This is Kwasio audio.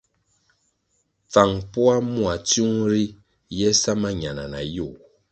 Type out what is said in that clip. Pfang mpoa mua tsiung ri ye sa mañana na yoh.